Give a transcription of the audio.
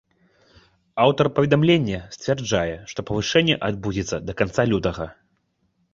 Аўтар паведамлення сцвярджае, што падвышэнне адбудзецца да канца лютага.